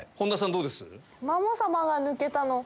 どうです？